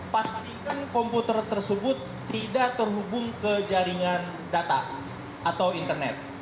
pastikan komputer tersebut tidak terhubung ke jaringan data atau internet